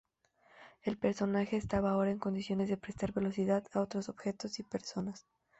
El personaje estaba ahora en condiciones de prestar velocidad a otros objetos y personas.